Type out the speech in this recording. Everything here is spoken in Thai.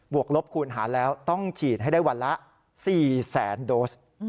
วกลบคูณหาแล้วต้องฉีดให้ได้วันละ๔แสนโดส